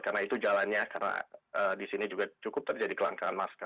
karena itu jalannya karena di sini juga cukup terjadi kelangkaan masker